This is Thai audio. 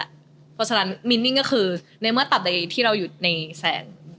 เพราะฉะนั้นมินนิ่งก็คือในเมื่อตัดใดที่เราอยู่ในแซน